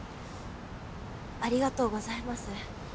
ありがとうございます。